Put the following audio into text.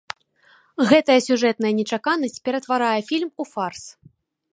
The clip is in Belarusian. Гэтая сюжэтная нечаканасць ператварае фільм у фарс.